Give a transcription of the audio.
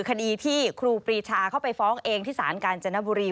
คดีที่ครูปรีชาเข้าไปฟ้องเองที่สารกาญจนบุรี